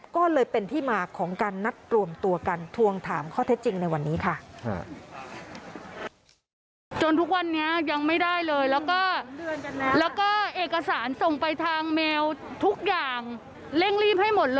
ก็เลยเป็นที่มาของการนัดรวมตัวกันทวงถามข้อเท็จจริงในวันนี้ค่ะ